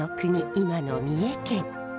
今の三重県。